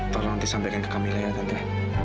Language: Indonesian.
tolong nanti sampaikan ke kamila ya tante